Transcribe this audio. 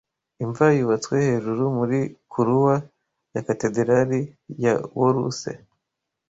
Imva Yubatswe Hejuru Muri kuruwa ya Katedarali ya Woruce